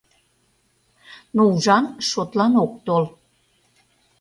Но... ужам: шотлан ок тол.